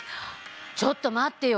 ちょっとまってよ！